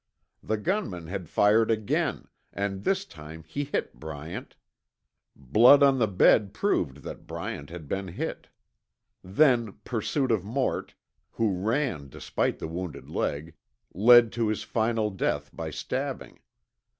The gunman had fired again, and this time he hit Bryant. Blood on the bed proved that Bryant had been hit. Then pursuit of Mort, who ran despite the wounded leg, led to his final death by stabbing.